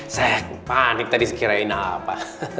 saya panik tadi sekiranya ini apa